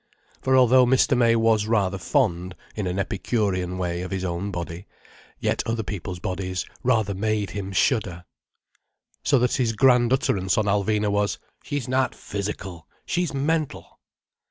For although Mr. May was rather fond, in an epicurean way, of his own body, yet other people's bodies rather made him shudder. So that his grand utterance on Alvina was: "She's not physical, she's mental."